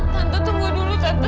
tante tunggu dulu tante